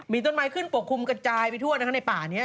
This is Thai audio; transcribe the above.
มีต้นไม้ขึ้นปกคลุมกระจายไปทั่วนะคะในป่านี้